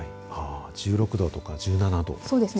１６度とか１７度ですね。